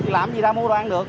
làm gì ra mua đồ ăn được